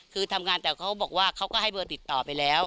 คือทำงานแต่เขาบอกว่าเขาก็ให้เบอร์ติดต่อไปแล้ว